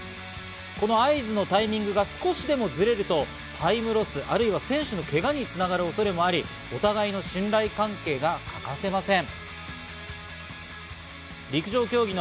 この合図のタイミングが少しでもずれるとタイムロス、あるいは選手のけがに繋がる恐れもあり、お互いの信頼関係が欠かせません。